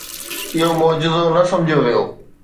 اهو معجزو نه سمجهيو ويو.